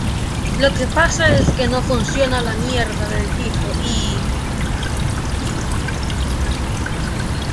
lo que pasa es que no funciona la mierda del grifo y...